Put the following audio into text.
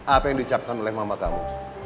apa yang diucapkan oleh mama kamu